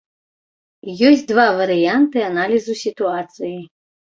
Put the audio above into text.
Ёсць два варыянты аналізу сітуацыі.